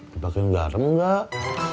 dipakein garam enggak